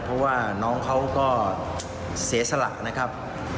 เพราะว่าน้องเขาก็เสียสละนะครับ